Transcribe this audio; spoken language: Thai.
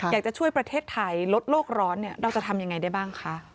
อยากจะช่วยประเทศไทยลดโลกร้อนเราจะทำยังไงได้บ้างคะ